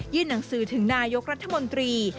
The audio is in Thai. หนังสือถึงนายกรัฐมนตรี